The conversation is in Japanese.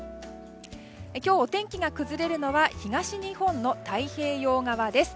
今日、お天気が崩れるのは東日本の太平洋側です。